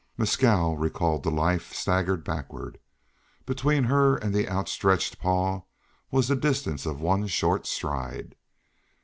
Mescal, recalled to life, staggered backward. Between her and the outstretched paw was the distance of one short stride.